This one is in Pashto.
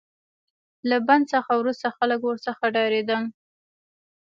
له بند څخه وروسته خلک ورڅخه ډاریدل.